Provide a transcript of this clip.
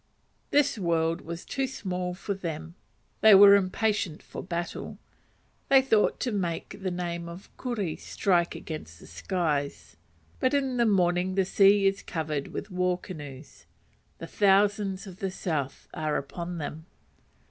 This world was too small for them. They were impatient for battle. They thought to make the name of Kuri strike against the skies; but in the morning the sea is covered with war canoes. The thousands of the south are upon them!